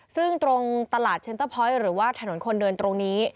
ซึ่งตรงตลาดเชนเตอร์พอยต์หรือว่าถนนคนเดินตรงนี้